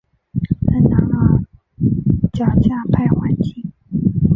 还拿了脚架拍环景